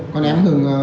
còn em hướng